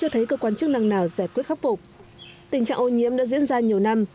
tình trạng ô nhiễm đã diễn ra nhiều năm